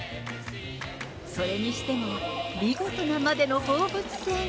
それにしても、見事なまでの放物線。